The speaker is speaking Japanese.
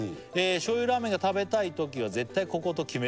「醤油ラーメンが食べたいときは絶対ここと決めています」